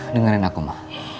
dengerin aku ma